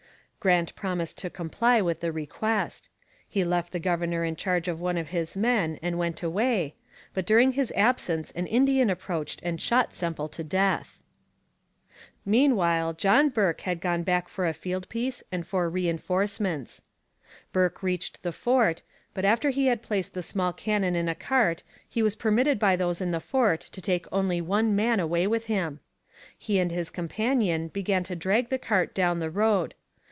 Grant promised to comply with the request. He left the governor in charge of one of his men and went away, but during his absence an Indian approached and shot Semple to death. Meanwhile John Bourke had gone back for a field piece and for reinforcements. Bourke reached the fort, but after he had placed the small cannon in a cart he was permitted by those in the fort to take only one man away with him. He and his companion began to drag the cart down the road.